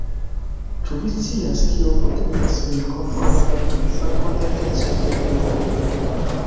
Ĉu vi scias, kio protektas nin kontraŭ la malkontenteco de Eŭropo?